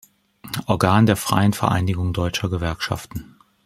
Organ der Freien Vereinigung deutscher Gewerkschaften".